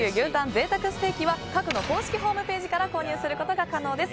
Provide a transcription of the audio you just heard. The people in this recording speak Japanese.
贅沢ステーキは閣の公式ホームページから購入することが可能です。